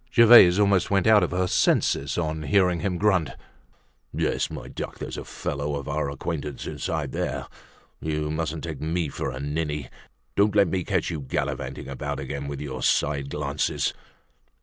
Gervaise almost went out of her senses on hearing him grunt: "Yes, my duck, there's a young fellow of our acquaintance inside there! You mustn't take me for a ninny. Don't let me catch you gallivanting about again with your side glances!"